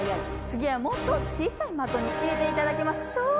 つぎはもっと小さいまとに入れていただきましょう。